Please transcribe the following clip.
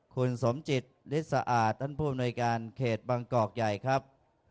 คุณสมจิตฤทธสะอาดท่านผู้อำนวยการเขตบางกอกใหญ่ครับ